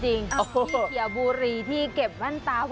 ที่เกี่ยวบุรีที่เก็บมั่นตา